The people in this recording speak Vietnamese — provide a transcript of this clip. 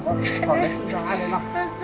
con không sợ